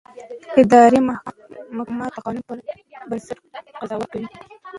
اداري محاکم د قانون پر بنسټ قضاوت کوي.